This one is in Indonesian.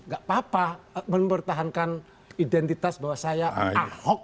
gak apa apa mempertahankan identitas bahwa saya ahok